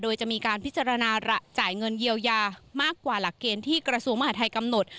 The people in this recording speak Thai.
โดยจะมีการพิจารณาจ่ายเงินเยียวยามากกว่าหลักเกณฑ์ที่กระทรวงมหาทัยกำหนด